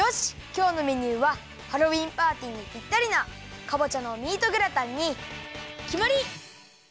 きょうのメニューはハロウィーンパーティーにぴったりなかぼちゃのミートグラタンにきまり！